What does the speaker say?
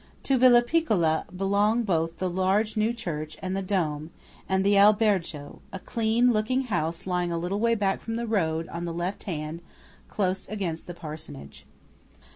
To Villa Piccola belong both the large new church with the dome, and the albergo–a clean looking house lying a little way back from the road on the left hand, close against the parsonage.